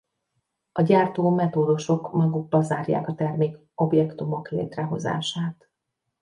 A gyártó metódusok magukba zárják a termék objektumok létrehozását.